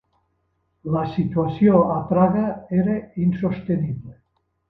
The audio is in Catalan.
La situació a Praga era insostenible.